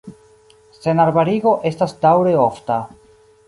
Senarbarigo estas daŭre ofta.